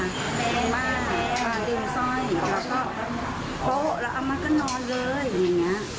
ในบ้านมาดึงสร้อยแล้วก็โป๊ะแล้วเอามาก็นอนเลยอย่างเงี้ย